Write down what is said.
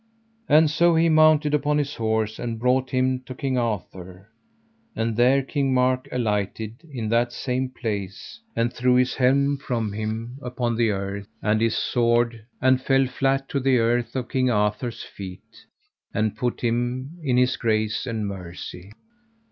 And so he mounted upon his horse and brought him to King Arthur; and there King Mark alighted in that same place, and threw his helm from him upon the earth, and his sword, and fell flat to the earth of King Arthur's feet, and put him in his grace and mercy.